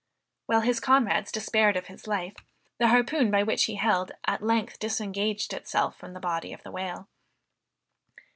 While his comrades despaired of his life, the harpoon by which he held, at length disengaged itself from the body of the whale.